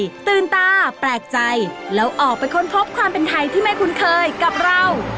ตื่นตาแปลกใจแล้วออกไปค้นพบความเป็นไทยที่ไม่คุ้นเคยกับเรา